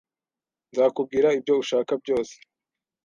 Nzakubwira ibyo ushaka byose